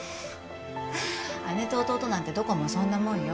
姉と弟なんてどこもそんなもんよ。